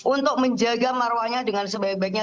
untuk menjaga marwahnya dengan sebaik baiknya